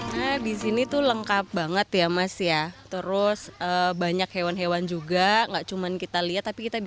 nah disini tuh lengkap banget ya mas ya terus banyak hewan hewan juga enggak cuman kita lihat tapi kita